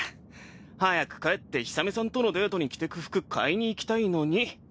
早く帰って氷雨さんとのデートに来てく服買いに行きたいのに。